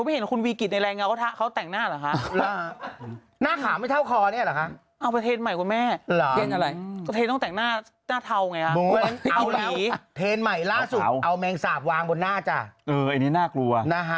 หน้าคุณมันเป็นเผาขาว